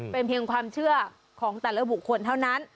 เป็นเพียงความเชื่อของแต่ละบุคคลเท่านั้น